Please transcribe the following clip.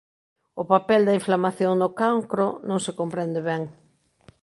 O papel da inflamación no cancro non se comprende ben.